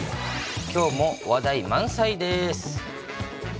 きょうも話題満載です。